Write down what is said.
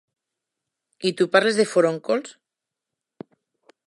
I tu parles de furóncols!